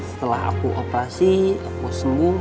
setelah aku operasi aku sembuh